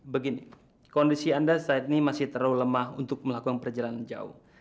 begini kondisi anda saat ini masih terlalu lemah untuk melakukan perjalanan jauh